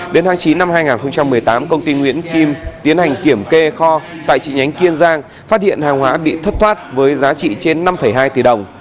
đến tháng chín năm hai nghìn một mươi tám công ty nguyễn kim tiến hành kiểm kê kho tại trị nhánh kiên giang phát hiện hàng hóa bị thất thoát với giá trị trên năm hai tỷ đồng